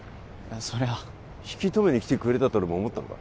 そりゃ引き止めに来てくれたとでも思ったのか？